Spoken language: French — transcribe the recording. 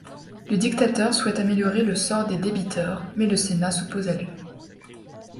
Le dictateur souhaite améliorer le sort des débiteurs, mais le Sénat s'oppose à lui.